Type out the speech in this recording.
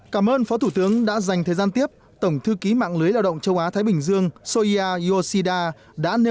cân bằng bao trùm và an toàn